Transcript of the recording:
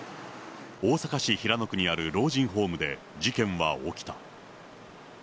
大阪市平野区にある老人ホームで事件は起きた。